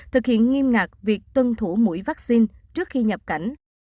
thực hiện nghiêm ngặt việc tuân thủ mũi vaccine trước khi nhập cảnh